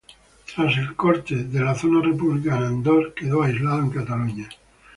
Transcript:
Tras el corte de la zona republicana en dos quedó aislado en Cataluña.